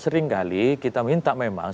sering kali kita minta memang